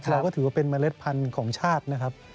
เราก็ถือว่าเป็นเมล็ดพันธุ์ของชาตินะครับ